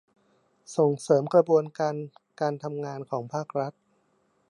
ส่งเสริมกระบวนการการทำงานของภาครัฐ